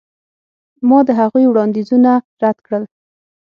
ما د هغوی وړاندیزونه رد کړل.